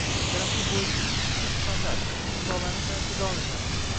Karantin bo‘yicha ikki xil standart. Misollarni sanashda davom etamiz